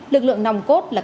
lực lượng nòng cốt là ca mắc